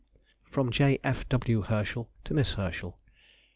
_] FROM J. F. W. HERSCHEL TO MISS HERSCHEL.